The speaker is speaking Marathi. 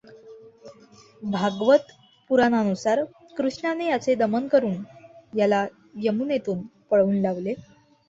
भागवत पुराणानुसार कृष्णाने याचे दमन करून याला यमुनेतून पळवून लावले.